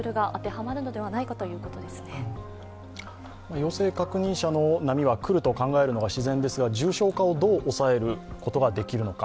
陽性確認者の波は来ると考えるのが自然ですが、重症化をどう抑えることができるのか。